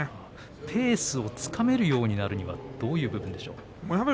ペースをつかめるようになるにはどういう部分でしょうか。